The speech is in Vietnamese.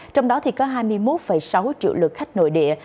trong đó có hai mươi một sáu triệu lượt khách nội địa